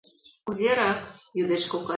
— Кузерак? — йодеш кокай.